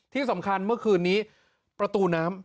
ที่สำคัญเมื่อคืนนี้ประตูน้ำ